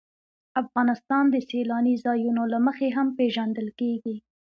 افغانستان د سیلاني ځایونو له مخې هم پېژندل کېږي.